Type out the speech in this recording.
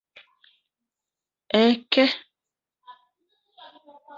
Ek!